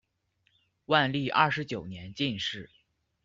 万历二十九年进士。